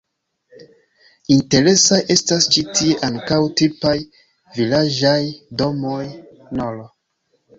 Interesaj estas ĉi tie ankaŭ tipaj vilaĝaj domoj nr.